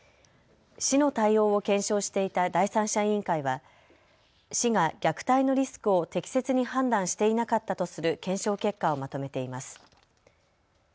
市の対応を検証していた第三者委員会は市が虐待のリスクを適切に判断していなかったとする検証結果をまとめています。